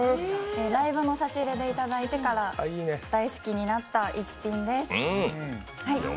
ライブの差し入れでいただいてから大好きになった一品です。